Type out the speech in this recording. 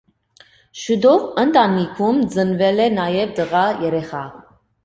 Շուտով ընտանիքում ծնվել է նաև տղա երեխա։